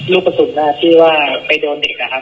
ลูกกระสุนที่ว่าไปโดนเด็กนะครับ